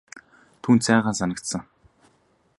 Түүнд сайхан санагдсан.